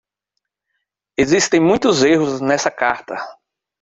Existem muitos erros nessa carta.